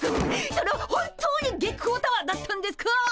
それ本当に月光タワーだったんですか！？